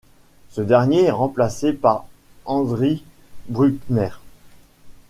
Ce dernier est remplacé par Hendrik Brückner.